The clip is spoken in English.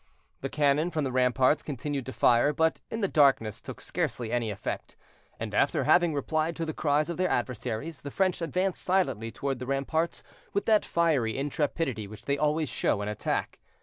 The cannon from the ramparts continued to fire, but in the darkness took scarcely any effect, and after having replied to the cries of their adversaries, the French advanced silently toward the ramparts with that fiery intrepidity which they always show in attack.